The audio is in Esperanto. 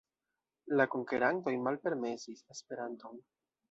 La konkerantoj malpermesis Esperanton.